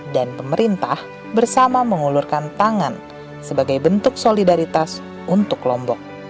dan pemerintah bersama mengulurkan tangan sebagai bentuk solidaritas untuk lombok